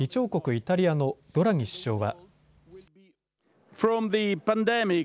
イタリアのドラギ首相は。